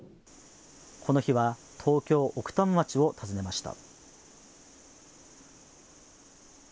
この日は東京奥多摩町を訪ねました。